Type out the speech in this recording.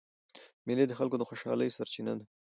مېلې د خلکو د خوشحالۍ سرچینه ده.